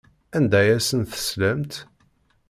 Anda ay asen-teslamt?